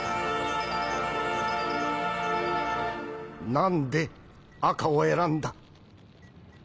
何で赤を選んだ？